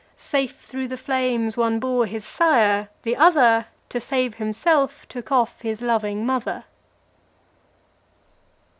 Safe through the flames, one bore his sire; the other, To save himself, took off his loving mother.